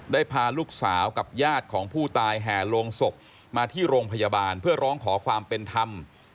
ได้พาลูกสาวกับญาติของผู้ตายแห่โรงศพมาที่โรงพยาบาลเพื่อร้องขอความเป็นธรรม